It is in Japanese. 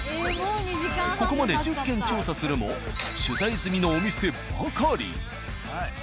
ここまで１０軒調査するも取材済みのお店ばかり。